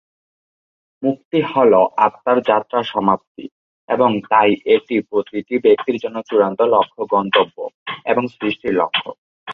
মুক্তি হল আত্মার যাত্রার সমাপ্তি, এবং তাই এটি প্রতিটি ব্যক্তির জন্য চূড়ান্ত লক্ষ্য ও গন্তব্য এবং সৃষ্টির লক্ষ্য।